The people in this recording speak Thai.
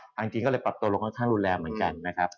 ทางจีนก็เลยปรับตัวลงค่อนข้างรุนแรงเหมือนกันนะครับ